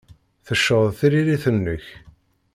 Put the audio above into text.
Tecceḍ tririt-nnek.